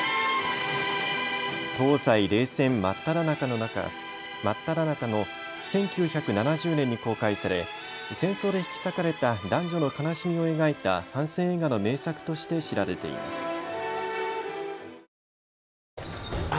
東西冷戦真っただ中の１９７０年に公開され戦争で引き裂かれた男女の悲しみを描いた反戦映画の名作として知られています。